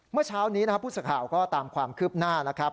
เมื่อเช้านี้นะครับผู้สื่อข่าวก็ตามความคืบหน้าแล้วครับ